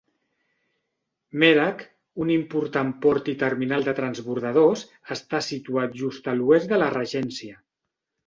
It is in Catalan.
Merak, un important port i terminal de transbordadors, està situat just a l'oest de la regència.